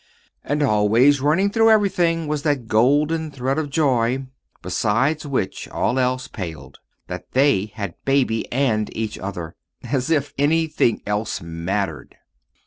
And always, running through everything, was that golden thread of joy, beside which all else paled that they had Baby and each other. As if anything else mattered!